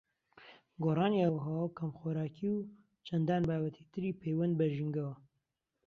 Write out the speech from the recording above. گۆڕانی ئاووهەوا و کەمخۆراکی و چەندان بابەتی تری پەیوەند بە ژینگەوە